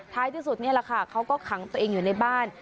ที่สุดนี่แหละค่ะเขาก็ขังตัวเองอยู่ในบ้าน